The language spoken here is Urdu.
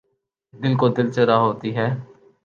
دل کو دل سے راہ ہوتی ہے